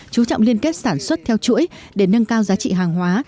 chú trọng liên kết sản xuất theo chuỗi để nâng cao giá trị hàng hóa